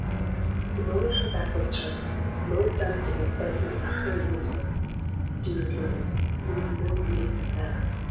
"The moment her back was turned, Lord Dunstable said to me in a hurried whisper, 'Dearest Lydia, you look more beautiful than ever!